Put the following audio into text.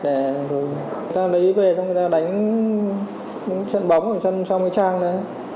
người ta lấy về xong người ta đánh trận bóng ở trong cái trang đó